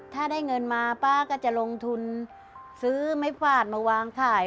ถ้าได้เงินมาป้าก็จะลงทุนซื้อไม้ฝาดมาวางขาย